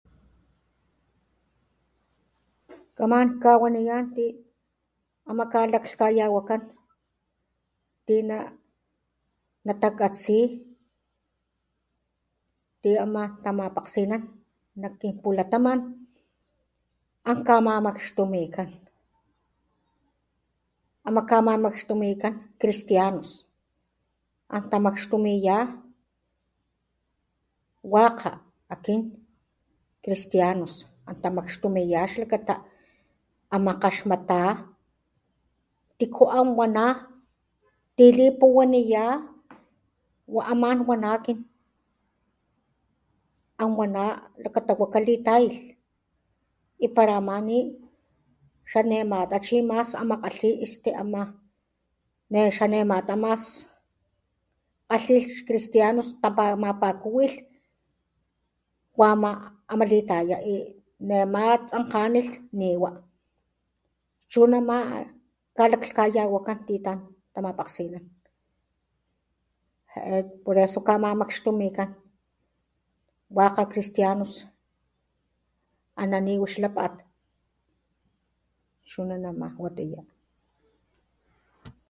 Kaman kawaniyan ti amakalaklhkayawakan tina natakatsi tiamatapamapakgsinan najkinpulataman ankamamakxtumikan, amakakamamakxtumikan cristianos antamakxtumiya wakga akin cristianos antamakxtumiya xlakata ama kgaxmata tiku an wana tilipuwaniya wa aman wana akin an wana xlakata wa kalitayalh y para ama ni xa ne mata chi mas ama kgalhi xa nema ta mas kgalhilh cristianos tamapakuwilh wa ama amalitaya y nema tsankganilh ni wa chu nama kalaklhkayawakan ti tantantamapakgsinan je'e por eso kakamamakxtumikan wakga cristianos ana ni wix lapat chuna nama. Watiya.